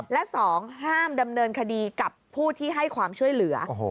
และ๒ห้ามดำเนินคดีกับผู้ที่ให้ความช่วยเหลือ